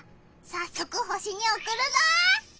さっそく星におくるぞ！